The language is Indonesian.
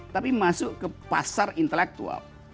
tapi masuk ke pasar intelektual